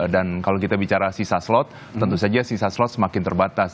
dan kalau kita bicara sisa slot tentu saja sisa slot semakin terbatas